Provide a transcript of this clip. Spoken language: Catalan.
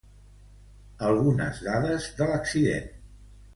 Algunes dades de l'accident